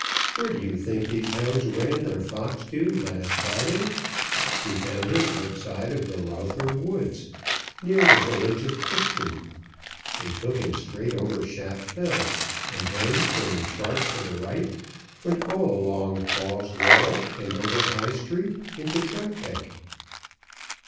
Where do you think these hounds ran their fox to last Friday? We found him outside of the Lowther Woods, near the village of Clifton. They took him straight over Shap Fell, and then turning sharp to the right, went all along Hawes Wall and over High Street into Troutbeck."